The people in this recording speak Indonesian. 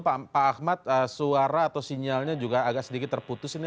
pak ahmad suara atau sinyalnya juga agak sedikit terputus ini